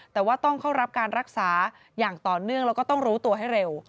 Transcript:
แต่ว่าต้องเข้ารับการรักษาอย่างต่อเนื่องแล้วก็ต้องรู้ตัวให้เร็ว